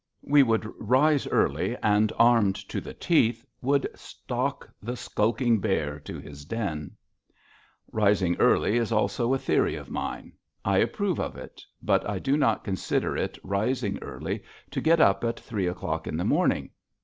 We would rise early, and, armed to the teeth, would stalk the skulking bear to his den. Rising early is also a theory of mine. I approve of it. But I do not consider it rising early to get up at three o'clock in the morning.